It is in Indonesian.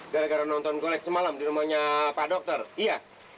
gara gara nonton golek semalam di rumahnya pak dokter iya